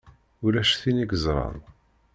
Ulac tin i yeẓṛan.